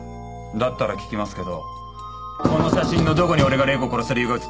だったら聞きますけどこの写真のどこに俺が礼子を殺した理由が写ってるんです？